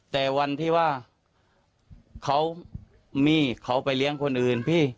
แต่วันที่ว่าเขามีเขาไปเลี้ยงคนอื่นพี่